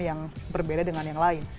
yang berbeda dengan yang lain